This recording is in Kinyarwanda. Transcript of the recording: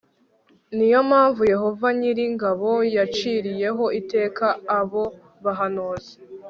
ni yo mpamvu yehova nyir ingabo yaciriyeho iteka abo bahanuzi